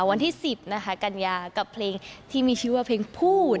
วันที่๑๐นะคะกัญญากับเพลงที่มีชื่อว่าเพลงพูด